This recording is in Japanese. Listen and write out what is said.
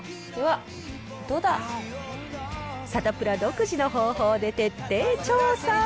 サタプラ独自の方法で徹底調査。